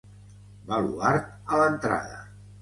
Baluard a l'entrada.